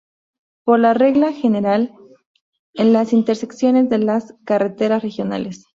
Por regla general, en las intersecciones de las carreteras regionales.